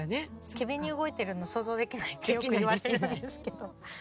機敏に動いているの想像できないってよく言われるんですけど。